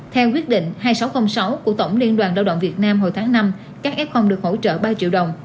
theo quyết định hai nghìn sáu trăm linh sáu của tổng liên đoàn lao động việt nam hồi tháng năm các f được hỗ trợ ba triệu đồng